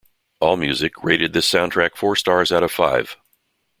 "Allmusic" rated this soundtrack four stars out of five.